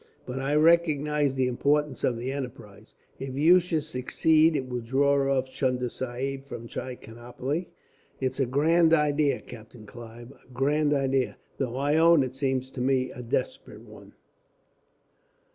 But I recognize the importance of the enterprise. If you should succeed, it will draw off Chunda Sahib from Trichinopoli. It's a grand idea, Captain Clive, a grand idea, though I own it seems to me a desperate one."